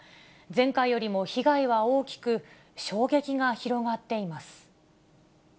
前回よりも被害は大きく、衝撃が広がっています。